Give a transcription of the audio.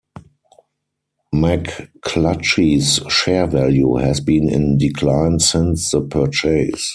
McClatchy's share value has been in decline since the purchase.